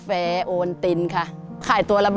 สวัสดีครับ